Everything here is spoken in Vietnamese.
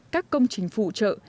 các công trình phụ trợ